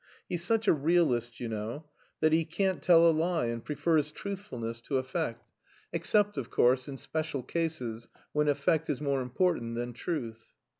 He's such a realist, you know, that he can't tell a lie, and prefers truthfulness to effect... except, of course, in special cases when effect is more important than truth."